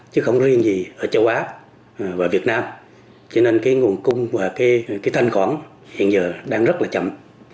chứ không riêng gì ở châu á và việt nam cho nên nguồn cung và thanh khoản hiện giờ đang rất chậm